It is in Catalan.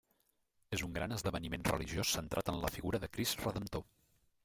És un gran esdeveniment religiós centrat en la figura de Crist Redemptor.